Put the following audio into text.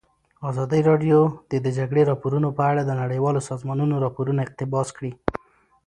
ازادي راډیو د د جګړې راپورونه په اړه د نړیوالو سازمانونو راپورونه اقتباس کړي.